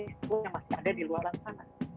apa yang masih ada di luar sana